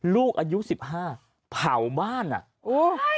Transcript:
ลูกอายุ๑๕ผ่าวบ้านอะ